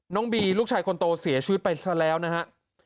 น้องบีลูกชายคนโตเสียชีวิตไปซะแล้วนะฮะ